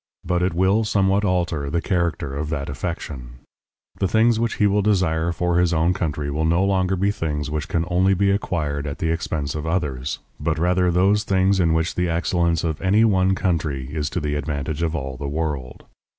But it will somewhat alter the character of that affection. The things which he will desire for his own country will no longer be things which can only be acquired at the expense of others, but rather those things in which the excellence of any one country is to the advantage of all the world.